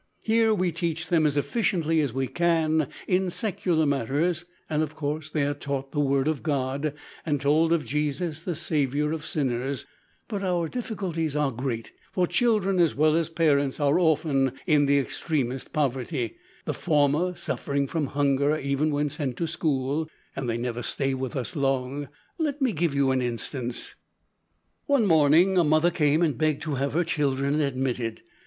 Here we teach them as efficiently as we can in secular matters, and of course they are taught the Word of God, and told of Jesus the Saviour of sinners; but our difficulties are great, for children as well as parents are often in extremest poverty, the former suffering from hunger even when sent to school and they never stay with us long. Let me give you an instance: "One morning a mother came and begged to have her children admitted.